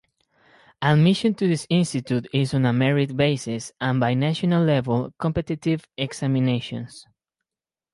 Admission to this institute is on a merit basis and by national-level competitive examinations.